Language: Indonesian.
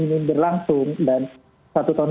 ini berlangsung dan satu tahun